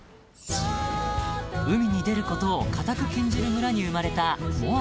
［海に出ることを固く禁じる村に生まれた］